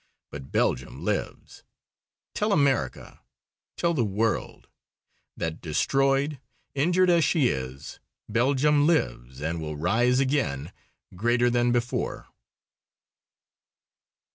But Belgium lives. Tell America, tell the world, that destroyed, injured as she is, Belgium lives and will rise again, greater than before!"